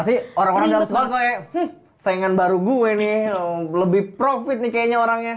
pasti orang orang dalam suka saingan baru gue nih lebih profit nih kayaknya orangnya